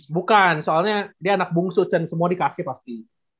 bukan soalnya dia anak bungsu cen semua dikasih pasti